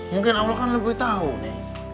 mungkin allah kan lebih tahu nih